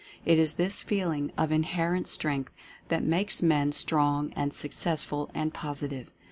It is this feeling of Inherent Strength that makes men Strong and Successful and Positive.